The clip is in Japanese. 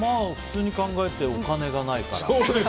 普通に考えてお金がないから。